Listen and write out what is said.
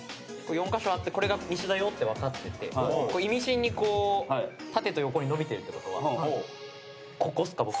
４カ所あってこれが西だよって分かってて意味深に縦と横にのびてるってことは。